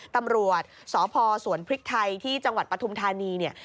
ตำรวจสพสวนพริกไทยที่จังหวัดปฐุมธานีเนี่ย